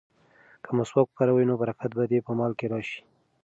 که مسواک وکاروې نو برکت به دې په مال کې راشي.